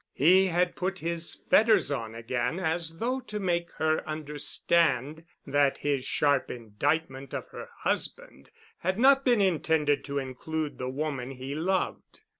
He had put his fetters on again as though to make her understand that his sharp indictment of her husband had not been intended to include the woman he loved.